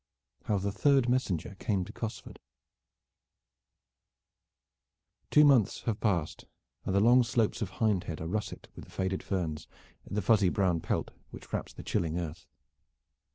HOW THE THIRD MESSENGER CAME TO COSFORD Two months have passed, and the long slopes of Hindhead are russet with the faded ferns the fuzzy brown pelt which wraps the chilling earth.